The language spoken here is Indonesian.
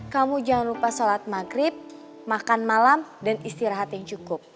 kamu jangan lupa sholat maghrib makan malam dan istirahat yang cukup